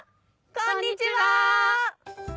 こんにちは。